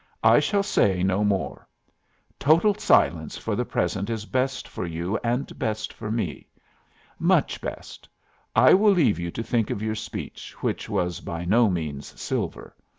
"I shall say no more. Total silence for the present is best for you and best for me. Much best. I will leave you to think of your speech, which was by no means silver.